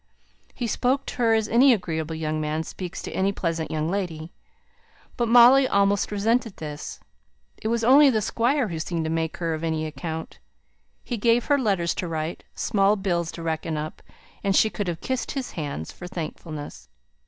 He spoke to her as any agreeable young man speaks to any pleasant young lady; but Molly almost resented this. It was only the Squire who seemed to make her of any account. He gave her letters to write, small bills to reckon up; and she could have kissed his hands for thankfulness.